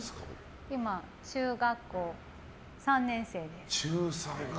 今、中学校３年生です。